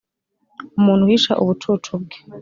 Umuntu uhisha ubucucu bwe